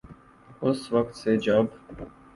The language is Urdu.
اس وقت سے جب